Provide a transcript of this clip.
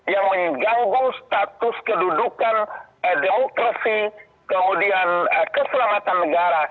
yang mengganggu status kedudukan demokrasi kemudian keselamatan negara